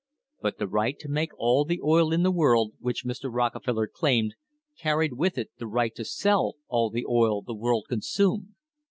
But the right to make all the oil in the world, which Mr. Rockefeller claimed, carried with it the right to sell all the oil the world consumed.